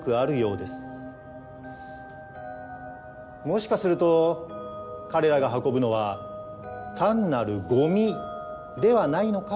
もしかすると彼らが運ぶのは単なるゴミではないのかもしれません。